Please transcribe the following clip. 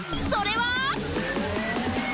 それは